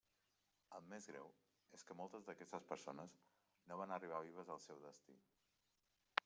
El més greu és que moltes d'aquestes persones no van arribar vives al seu destí.